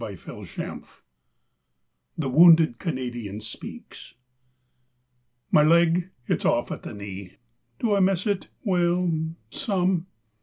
_ Fleurette (The Wounded Canadian Speaks) My leg? It's off at the knee. Do I miss it? Well, some.